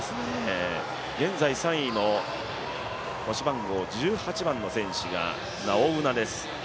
現在３位の１８番の選手がナウォウナです。